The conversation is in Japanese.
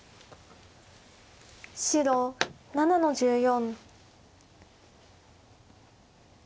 白７の十四。